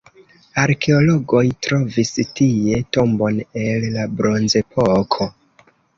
Arkeologoj trovis tie tombon el la bronzepoko.